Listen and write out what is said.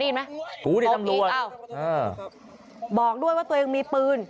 ดินไหมภูนิษฐ์ตำรวจอ้าวบอกด้วยว่าตัวเองมีปืน